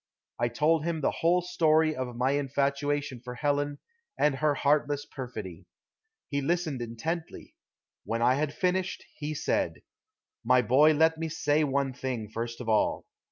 I told him the whole story of my infatuation for Helen and her heartless perfidy. He listened intently. When I had finished, he said: "My boy, let me say one thing, first of all.